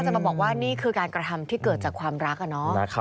จะมาบอกว่านี่คือการกระทำที่เกิดจากความรักอะเนาะ